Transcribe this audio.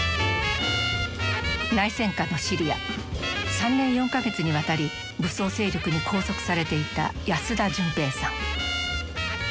３年４か月にわたり武装勢力に拘束されていた安田純平さん。